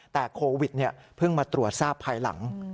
แต่โควิดเพิ่งมาตรวจทราบภายหลัง